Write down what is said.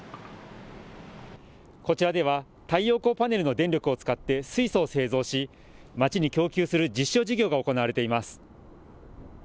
こちらでは、太陽光パネルの電力を使って、水素を製造し、街に供給する実証事業が行われています。